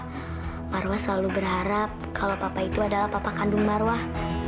marwah selalu berharap kalau papa itu adalah papa kandung marwah